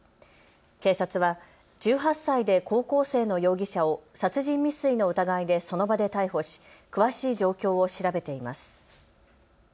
警察は１８歳で高校生の容疑者を殺人未遂の疑いでその場で逮捕し詳しい状況を調べています。